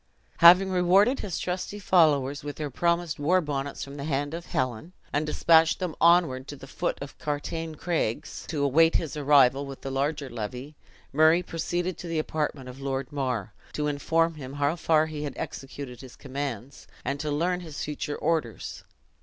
Having rewarded his trusty followers with their promised war bonnets from the hand of Helen, and dispatched them onward to the foot of Cartiane Craigs, to await his arrival with the larger levy. Murray proceeded to the apartment of Lord Mar, to inform him how far he had executed his commands, and to learn his future orders.